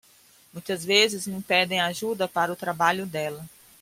Muitas vezes me pedem ajuda para o trabalho dela.